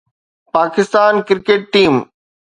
Pakistan cricket team